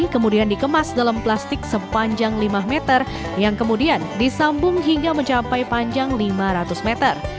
kemudian dikemas dalam plastik sepanjang lima meter yang kemudian disambung hingga mencapai panjang lima ratus meter